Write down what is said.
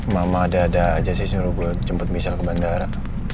mama ada ada aja sih suruh gue jemput michelle ke bandara